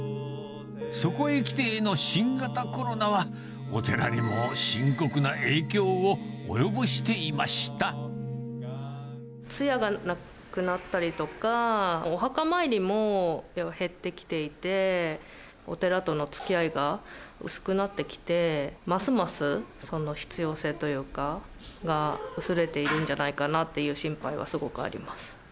そこへきてへの新型コロナは、お寺にも深刻な影響を及ぼしてい通夜がなくなったりとか、お墓参りも減ってきていて、お寺とのつきあいが薄くなってきて、ますますその必要性というかが、薄れているんじゃないかなという心配はすごくあります。